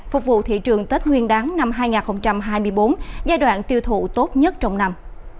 phục vụ thị trường tết nguyên đáng năm hai nghìn hai mươi bốn giai đoạn tiêu thụ tốt nhất trong năm